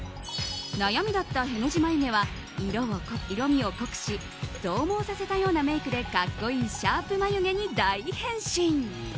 悩みだったへの字眉毛は色味を濃くし増毛させたようなメイクで格好いいシャープ眉毛に大変身。